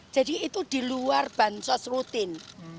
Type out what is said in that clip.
jadi itu di luar bansos rutin